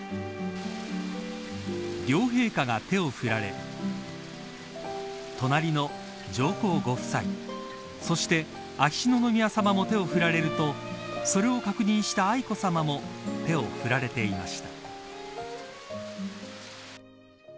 両陛下が手を振られ隣の上皇ご夫妻そして秋篠宮さまも手を振られるとそれを確認した愛子さまも手を振られていました。